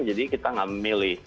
jadi kita nggak memilih